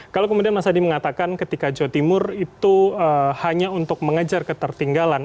kalau kemudian mas hadi mengatakan ketika jawa timur itu hanya untuk mengejar ketertinggalan